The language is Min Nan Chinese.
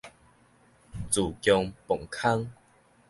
自強磅空